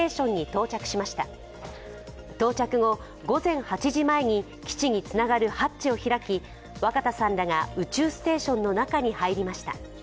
到着後、午前８時前に基地につながるハッチを開き、若田さんらが宇宙ステーションの中に入りました。